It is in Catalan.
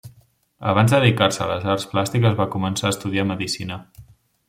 Abans de dedicar-se a les arts plàstiques va començar a estudiar medicina.